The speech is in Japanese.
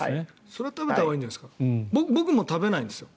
それは食べたほうがいいんじゃないですか。